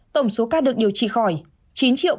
tổng số ca được điều trị khỏi